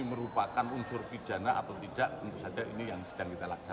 merupakan unsur pidana atau tidak tentu saja ini yang sedang kita laksanakan